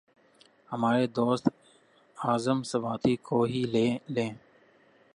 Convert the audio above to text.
ہمارے دوست اعظم سواتی کو ہی لے لیں۔